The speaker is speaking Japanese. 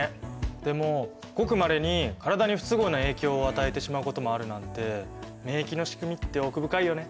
でもごくまれに体に不都合な影響を与えてしまうこともあるなんて免疫のしくみって奥深いよね。